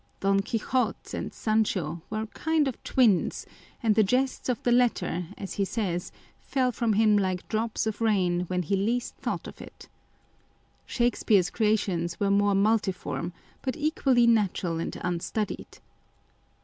Don Quixote and Sancho were a kind of twins ; and the jests of the latter, as he says, fell from him like drops of rain when he least thought of it. Shakespeare's creations were more multiform, but equally natural and unstudied.